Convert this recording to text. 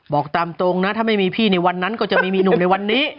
บอกตามตรงนะถ้าไม่มีพี่ในวันนั้นก็จะไม่มีหนุ่มในวันนี้